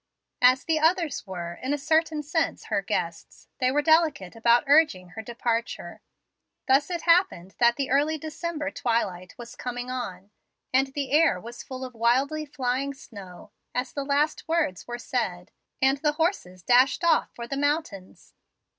As the others were, in a certain sense, her guests, they were delicate about urging her departure. Thus it happened that the early December twilight was coming on, and the air was full of wildly flying snow, as the last words were said, and the horses dashed off for the mountains.